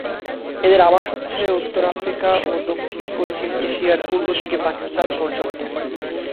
এদের আবাস হচ্ছে উত্তর আফ্রিকা এবং দক্ষিণ পশ্চিম এশিয়ার পূর্ব থেকে পাকিস্তান পর্যন্ত।